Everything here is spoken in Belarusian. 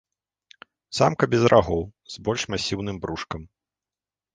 Самка без рагоў, з больш масіўным брушкам.